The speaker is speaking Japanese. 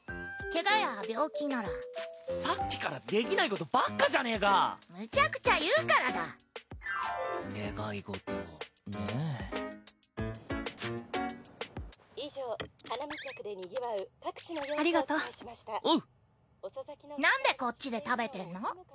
ケガや病さっきからできないことばっかじゃねぇかむちゃくちゃ言うからだ願い事ねぇありがとおうなんでこっちで食べてんの？